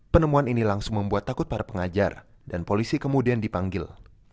penemuan ini langsung membuat takut para pengajar dan polisi kemudian dipanggil